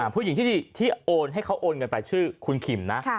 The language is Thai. ผู้หญิงที่โอนให้เขาโอนเงินไปชื่อคุณคิมนะ